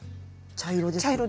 茶色です。